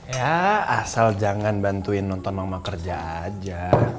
ya asal jangan bantuin nonton mama kerja aja